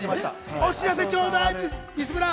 お知らせちょうだい！